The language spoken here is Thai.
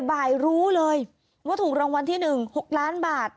บ่ายรู้เลยว่าถูกรางวัลที่๑๖ล้านบาท